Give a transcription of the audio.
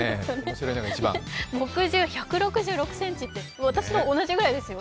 木銃１６６ｃｍって私と同じぐらいですよ。